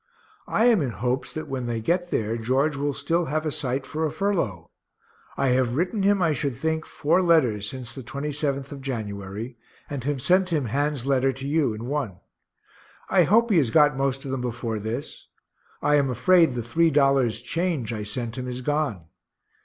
I am in hopes that when they get there, George will still have a sight for a furlough. I have written him I should think four letters since the 27th Jan. (and have sent him Han's letter to you in one). I hope he has got most of them before this. I am afraid the $3 change I sent him is gone.